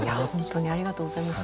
ありがとうございます。